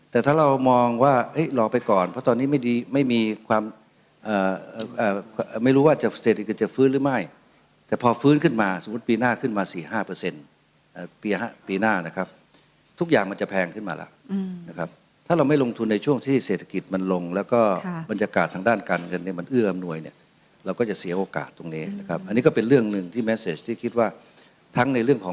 แต่ถ้าเรามองว่าเห้ยรอไปก่อนเพราะตอนนี้ไม่ดีไม่มีความไม่รู้ว่าเศรษฐกิจจะฟื้นหรือไม่แต่พอฟื้นขึ้นมาสมมุติปีหน้าขึ้นมาสี่ห้าเปอร์เซ็นต์ปีหน้านะครับทุกอย่างมันจะแพงขึ้นมาแล้วนะครับถ้าเราไม่ลงทุนในช่วงที่เศรษฐกิจมันลงแล้วก็บรรยากาศทางด้านการเงินมันเอื้ออำนวยเนี่ยเราก